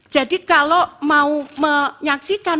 jadi kalau mau menyaksikan